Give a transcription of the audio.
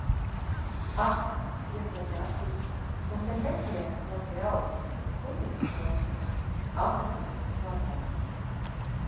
Ak! Iepleti acis? Un te neķērc man pie auss, putniņus klausos. Atradusies madāma.